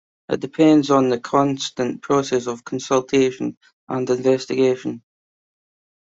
It depends on a constant process of consultation and investigation.